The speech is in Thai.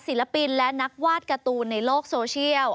ศิลปินและนักวาดการ์ตูนในโลกโซเชียล